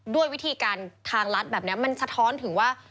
ด้วยวิธีการทางรัฐแบบนี้มันสะท้อนถึงว่า